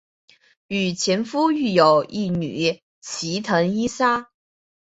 与前夫育有一女齐藤依纱。